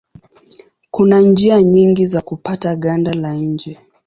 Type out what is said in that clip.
Kuna njia nyingi za kupata ganda la nje.